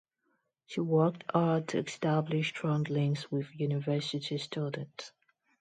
She worked hard to establish strong links with university students.